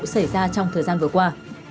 xảy ra trong thời gian vừa qua